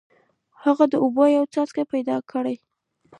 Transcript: هغه د اوبو یو څاڅکی پیدا کړ.